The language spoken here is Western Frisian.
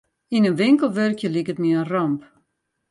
Yn in winkel wurkje liket my in ramp.